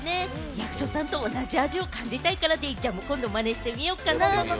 役所さんと同じ味を感じたいからデイちゃんも今度マネしてみようかな！